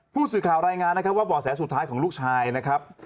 ผู้สื่อข่าวรายงานนะครับว่าบ่อแสสุดท้ายของลูกชายนะครับ